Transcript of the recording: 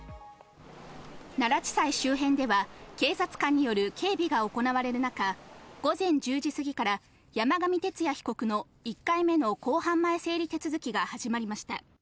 奈良地裁周辺では警察官による警備が行われる中、午前１０時過ぎから山上徹也被告の１回目の公判前整理手続きが始まりました。